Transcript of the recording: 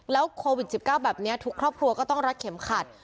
โควิด๑๙แบบนี้ทุกครอบครัวก็ต้องรัดเข็มขัด